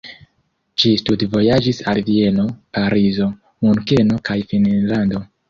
Ŝi studvojaĝis al Vieno, Parizo, Munkeno kaj Finnlando.